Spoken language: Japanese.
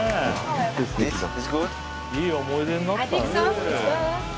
いい思い出になった。